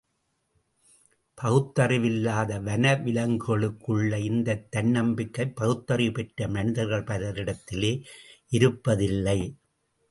பகுத்தறிவில்லாத வனவிலங்குகளுக்குள்ள இந்தத் தன்னம்பிக்கை—பகுத்தறிவு பெற்ற மனிதர்கள் பலரிடத்திலே இருப்பதில்லை.